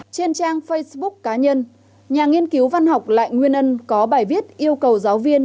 trên trang facebook cá nhân nhà nghiên cứu văn học lại nguyên ân có bài viết yêu cầu giáo viên